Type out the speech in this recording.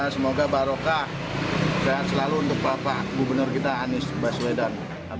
semoga barokah sehat selalu untuk bapak gubernur kita anies baswedan